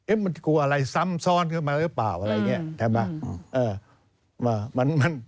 เอ๊ะมันกลัวอะไรซ้อนขึ้นมาหรือเปล่าอะไรเงี้ยทำไม